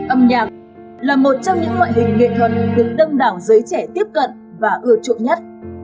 âm nhạc là một trong những loại hình nghệ thuật được đông đảo giới trẻ tiếp cận và ưa chuộng nhất